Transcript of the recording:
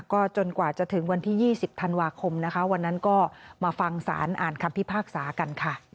ก็จนกว่าจะถึงวันที่๒๐ธันวาคมนะคะวันนั้นก็มาฟังสารอ่านคำพิพากษากันค่ะ